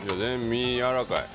実がやわらかい。